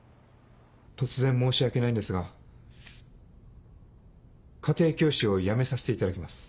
突然申し訳ないんですが家庭教師をやめさせていただきます。